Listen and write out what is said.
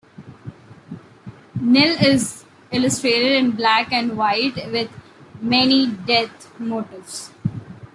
"Nil" is illustrated in black and white with many death motifs.